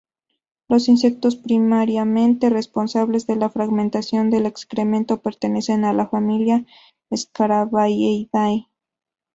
Los insectos primariamente responsables de la fragmentación del excremento pertenecen a la familia Scarabaeidae.